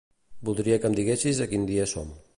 Voldria que em diguessis a quin dia som.